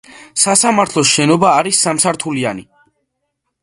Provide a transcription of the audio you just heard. სასამართლოს შენობა არის სამსართულიანი.